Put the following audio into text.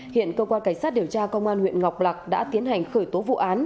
hiện cơ quan cảnh sát điều tra công an huyện ngọc lạc đã tiến hành khởi tố vụ án